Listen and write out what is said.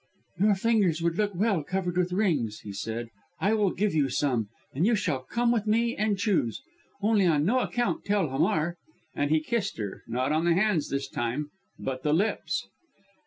"Your fingers would look well covered with rings," he said. "I will give you some, and you shall come with me and choose. Only on no account tell Hamar." And he kissed her not on the hands this time but the lips.